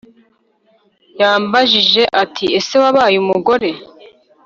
yambajije ati ese wabaye umugore